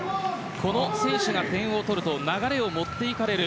この選手が点を取ると流れを持っていかれる。